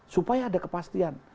supaya ada kepastian